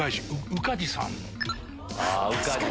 宇梶さん